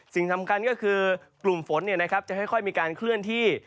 สิ่งสำคัญก็คือกลุ่มฝนจะค่อยมีการเคลื่อนที่